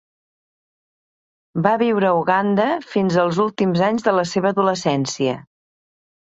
Va viure a Uganda fins als últims anys de la seva adolescència.